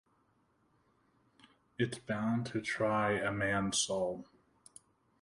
It's bound to try a man's soul.